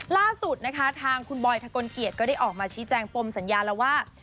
ล่าสุดนะคะทางคุณบอยทะกลเกียจก็ได้ออกมาชี้แจงปมสัญญาแล้วว่า